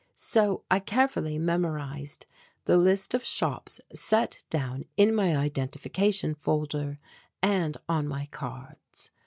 So I carefully memorized the list of shops set down in my identification folder and on my cards.